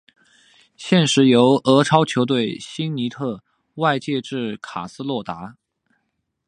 现时由俄超球队辛尼特外借至卡斯洛达。